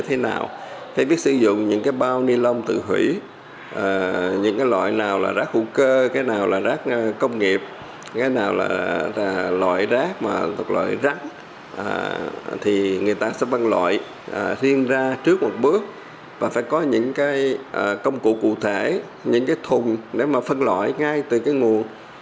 thì người ta sẽ phân loại riêng ra trước một bước và phải có những cái công cụ cụ thể những cái thùng để mà phân loại ngay từ cái nguồn